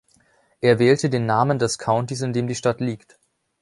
Er wählte den Namen des Countys, in dem die Stadt liegt.